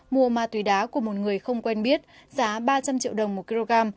mua ma túy đá của một người không quen biết giá ba trăm linh triệu đồng một kg